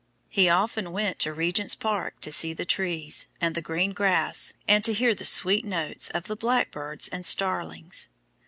He often went to Regent's Park to see the trees, and the green grass, and to hear the sweet notes of the black birds and starlings.